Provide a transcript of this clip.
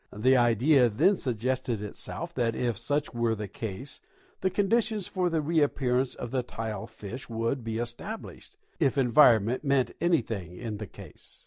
The idea then suggested itself that if such were the case the conditions for the reappearance of the tile fish would be established, if environment meant anything in the case.